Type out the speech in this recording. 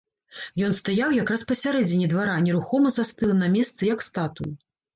Ён стаяў якраз пасярэдзіне двара, нерухома застылы на месцы, як статуй.